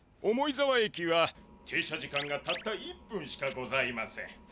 重井沢駅は停車時間がたった１分しかございません。